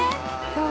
◆そう。